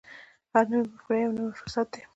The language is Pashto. هره نوې مفکوره یو نوی فرصت دی.